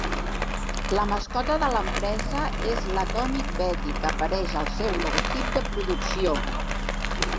La mascota de l'empresa és l'Atomic Betty, que apareix al seu logotip de producció.